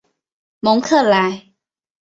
蒙克莱。